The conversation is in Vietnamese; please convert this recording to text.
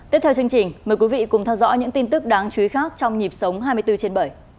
tiếp theo chương trình mời quý vị cùng theo dõi những tin tức đáng chú ý khác trong nhịp sống hai mươi bốn trên bảy